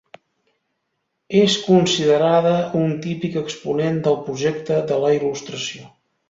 És considerada un típic exponent del projecte de la Il·lustració.